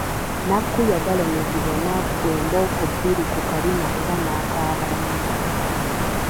Nnakku yagalamizibwa nakubwa embooko bbiri ku kabina era nakaaba nnyo.